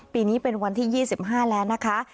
ปีนี้เป็นวันที่๒๕แล้วนะคะ